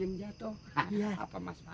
lihatlah dia sudah bergerak ke sana